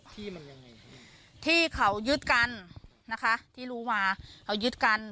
ที่มันยังไงพี่ที่เขายึดกันนะคะที่รู้มาเขายึดกัน